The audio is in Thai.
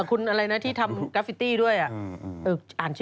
คุณอะไรนะที่ทำกราฟิตี้ด้วย